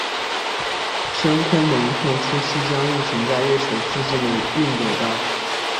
深空门户初期将运行在月球附近的晕轨道。